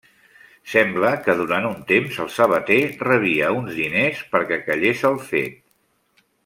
Sembla que durant un temps el sabater rebia uns diners perquè callés el fet.